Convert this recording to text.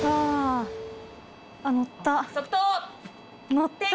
乗った。